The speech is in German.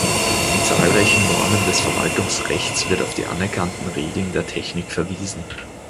In zahlreichen Normen des Verwaltungsrechts wird auf die anerkannten Regeln der Technik verwiesen.